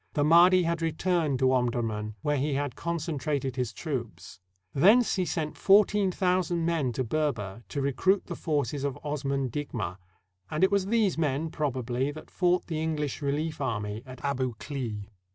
The Mahdi had returned to Omdurman, where he had concentrated his troops. Thence he sent fourteen thousand men to Ber ber to recruit the forces of Osman Digma, and it was these men, probably, that fought the EngUsh relief army at Abu Klea.